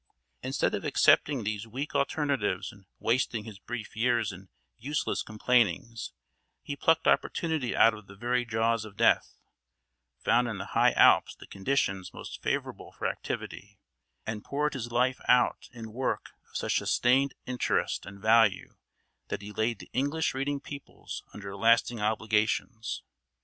Instead of accepting these weak alternatives and wasting his brief years in useless complainings, he plucked opportunity out of the very jaws of death; found in the high Alps the conditions most favourable for activity, and poured his life out in work of such sustained interest and value that he laid the English reading peoples under lasting obligations.